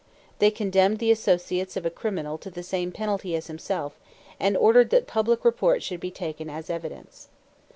They condemned the associates of a criminal to the same penalty as himself, and ordered that public report should be taken as evidence.